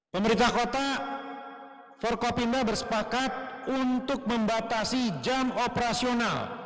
pemerintah kota forkopimda bersepakat untuk membatasi jam operasional